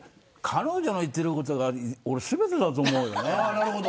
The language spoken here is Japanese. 彼女の言っていることが全てだと思うよね。